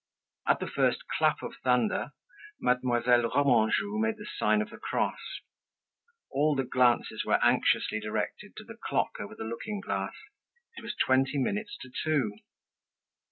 At the first clap of thunder, Mademoiselle Remanjou made the sign of the cross. All the glances were anxiously directed to the clock over the looking glass; it was twenty minutes to two.